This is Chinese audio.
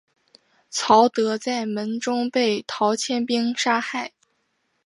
曹德在门中被陶谦兵杀害。